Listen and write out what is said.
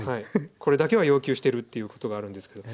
これだけは要求してるっていうことがあるんですけど。